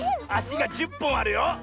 あしが１０ぽんあるよ。